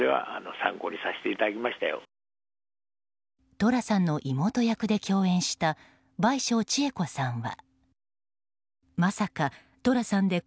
寅さんの妹役で共演した倍賞千恵子さんは。